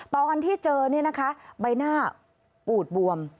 ตอนที่เจอเนี่ยนะคะใบหน้าปูดบวม